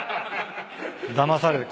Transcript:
だまされる。